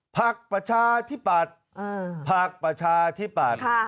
พักประชาธิปัตย์พักประชาธิปัตย์